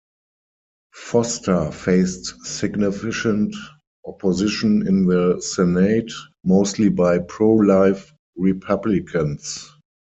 Foster faced significant opposition in the Senate, mostly by pro-life Republicans.